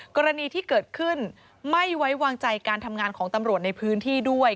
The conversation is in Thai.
กรณีที่เกิดขึ้นไม่ไว้วางใจการทำงานของตำรวจในพื้นที่ด้วย